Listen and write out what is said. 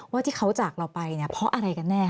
ว่าที่เขาจากเราไปเนี่ยเพราะอะไรกันแน่